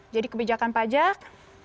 jadi kebijakan pajak